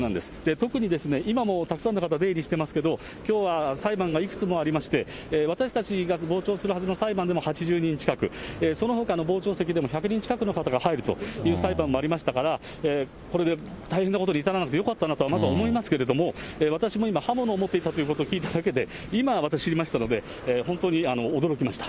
特にですね、今もたくさんの方、出入りしていますけれども、きょうは裁判がいくつもありまして、私たちが傍聴するはずの裁判でも８０人近く、そのほかの傍聴席でも１００人近くの方が入るという裁判もありましたから、これで大変なことに至らなくてよかったなとはまず思いますけれども、私も今、刃物を持っていたということを聞いただけで、今、私知りましたので、本当に驚きました。